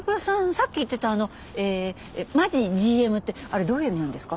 さっき言ってたあのええ「マジＧＭ」ってあれどういう意味なんですか？